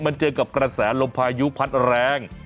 มันเจอกับกระแสลมพายุพัดแรง